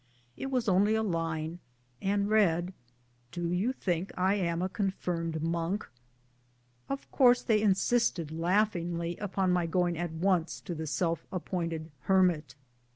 It was only a line, and read, "Do you think I am a coniirmed monk ?" Of course they insisted laughingly upon my going at once to the self appointed hermit.